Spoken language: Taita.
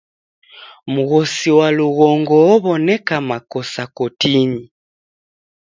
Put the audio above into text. Mghosi wa lughongo ow'oneka makosa kotinyi.